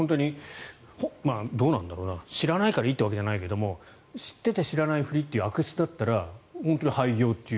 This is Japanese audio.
知らないからいいというわけじゃないけど知ってて知らないふりという悪質だったら本当に廃業という。